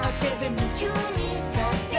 「むちゅうにさせるわ」